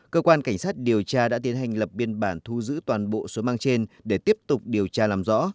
cơ quan cảnh sát điều tra đã tiến hành lập biên bản thu giữ toàn bộ số mang trên để tiếp tục điều tra làm rõ